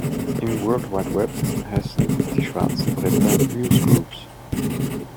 Im World Wide Web heißen die schwarzen Bretter „Newsgroups“.